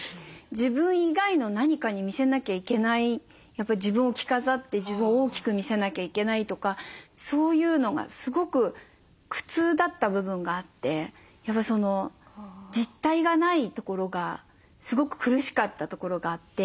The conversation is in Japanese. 自分以外の何かに見せなきゃいけない自分を着飾って自分を大きく見せなきゃいけないとかそういうのがすごく苦痛だった部分があって実態がないところがすごく苦しかったところがあって。